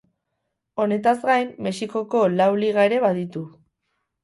Honetaz gain Mexikoko lau liga ere baditu.